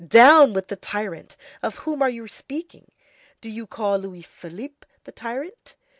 Down with the tyrant! Of whom are you speaking? Do you call Louis Philippe the tyrant?